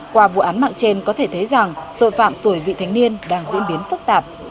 qua vụ án mạng trên có thể thấy rằng tội phạm tuổi vị thanh niên đang diễn biến phức tạp